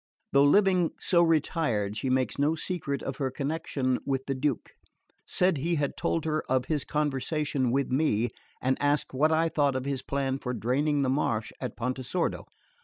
Though living so retired she makes no secret of her connection with the Duke; said he had told her of his conversation with me, and asked what I thought of his plan for draining the marsh of Pontesordo.